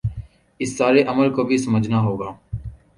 اس سارے عمل کو بھی سمجھنا ہو گا